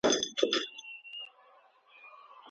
په صدقه کي ریا نه کېږي.